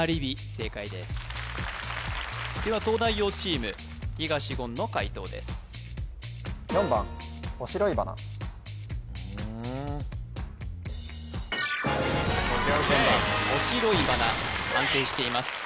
正解ですでは東大王チーム東言の解答ですおしろいばな安定しています